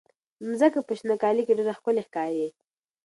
مځکه په شنه کالي کې ډېره ښکلې ښکاري.